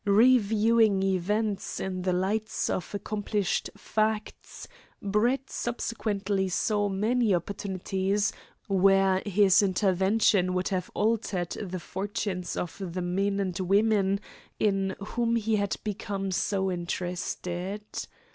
Reviewing events in the lights of accomplished facts, Brett subsequently saw many opportunities where his intervention would have altered the fortunes of the men and women in whom he had become so interested.